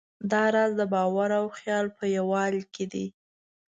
دا راز د باور او خیال په یووالي کې دی.